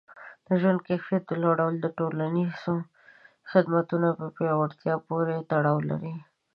د ژوند د کیفیت لوړول د ټولنیزو خدمتونو په پیاوړتیا پورې تړاو لري.